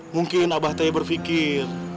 mungkin abah teh berfikir